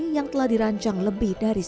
yang telah dirancang lebih dari sembilan tahun